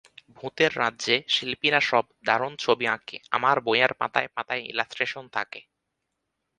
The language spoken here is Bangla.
ভূঁতের রাঁজ্যে শিঁল্পীরা সঁব দাঁরুণ ছঁবি আঁকেআঁমার বঁইয়ের পাঁতায় পাঁতায় ইঁলাস্ট্রেশন থাঁকে।